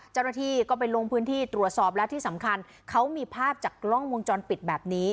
เจ้าหน้าที่ก็ไปลงพื้นที่ตรวจสอบและที่สำคัญเขามีภาพจากกล้องวงจรปิดแบบนี้